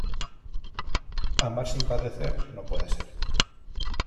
Amar sin padecer, no puede ser.